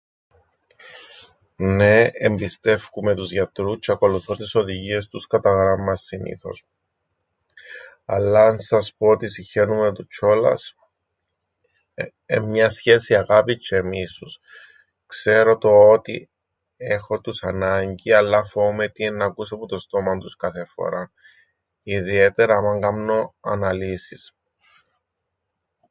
Νναι, εμπιστεύκουμαι τους γιατρούς τζ̆' ακολουθώ τες οδηγίες τους κατά γράμμαν συνήθως. Αλλά, αν σας πω ότι σιγχαίνουμαι τους τζ̆ιόλας; Εν' μια σχέση αγάπης τζ̆αι μίσους. Ξέρω το ότι έχω τους ανάγκην, αλλά φοούμαι τι εννά ακούσω που το στόμαν τους κάθε φοράν, ιδιαίτερα άμαν κάμνω αναλύσεις.